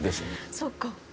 そっか。